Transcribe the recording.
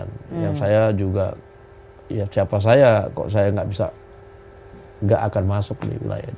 yang saya juga ya siapa saya kok saya enggak bisa enggak akan masuk ke wilayah itu